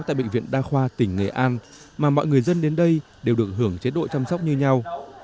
tại bệnh viện đa khoa tỉnh nghệ an mà mọi người dân đến đây đều được hưởng chế độ chăm sóc như nhau